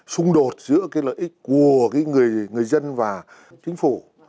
xung đột giữa cái lợi ích của cái người dân và chính phủ